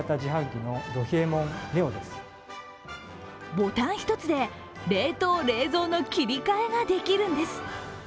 ボタン１つで冷凍・冷蔵の切り替えができるんです。